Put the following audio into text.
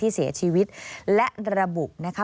เสียชีวิตและระบุนะคะ